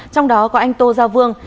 trong đó có anh tô gia vương